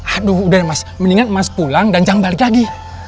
aduh udah mas mendingan emas pulang dan jangan balik lagi